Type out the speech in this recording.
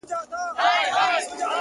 تالنده برېښنا يې خــوښـــــه ســوېده؛